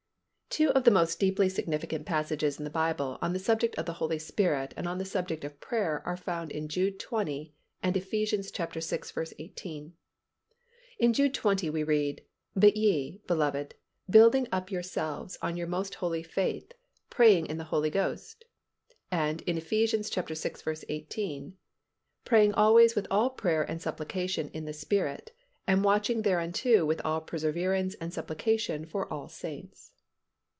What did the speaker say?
Two of the most deeply significant passages in the Bible on the subject of the Holy Spirit and on the subject of prayer are found in Jude 20 and Eph. vi. 18. In Jude 20 we read, "But ye, beloved, building up yourselves on your most holy faith, praying in the Holy Ghost," and in Eph. vi. 18, "Praying always with all prayer and supplication in the Spirit, and watching thereunto with all perseverance and supplication for all saints."